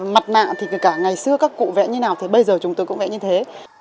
mặt nạ thì cả ngày xưa các cụ vẽ như thế nào thì bây giờ chúng tôi cũng vẽ như thế